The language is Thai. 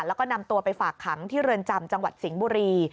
แล้วก็นำตัวไปฝากขังที่เรือนจำจังหวัดสิงห์บุรี